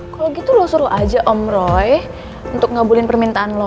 kalau gitu lo suruh aja om roy untuk ngabulin permintaan lo